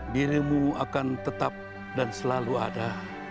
dirimu akan tetap dan selalu ada